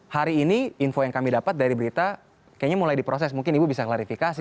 hari ini info yang kami dapat dari berita kayaknya mulai diproses mungkin ibu bisa klarifikasi